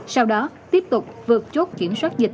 sau đó tiếp tục vượt chốt kiểm soát dịch